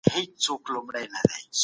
تفریح ختمه سوه.